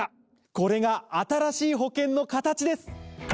これが新しい保険の形です！